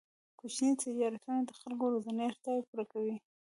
کوچني تجارتونه د خلکو ورځنۍ اړتیاوې پوره کوي.